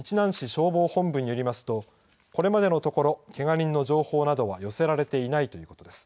消防本部によりますと、これまでのところ、けが人の情報などは寄せられていないということです。